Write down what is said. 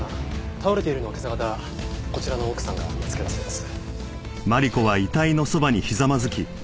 倒れているのを今朝方こちらの奥さんが見つけたそうです。